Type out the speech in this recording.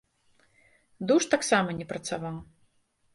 Душ там таксама не працаваў.